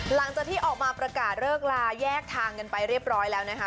หลังจากที่ออกมาประกาศเลิกลาแยกทางกันไปเรียบร้อยแล้วนะคะ